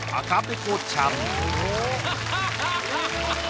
ハハハハハ！